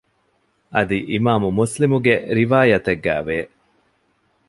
އަދި އިމާމު މުސްލިމުގެ ރިވާޔަތެއްގައި ވޭ